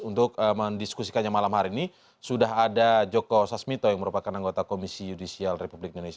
untuk mendiskusikannya malam hari ini sudah ada joko sasmito yang merupakan anggota komisi yudisial republik indonesia